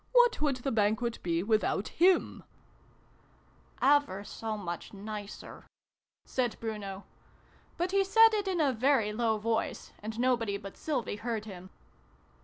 What would the Banquet be without him ?"" Ever so much nicer," said Bruno. But he said it in a very low voice, and nobody but Sylvie heard him.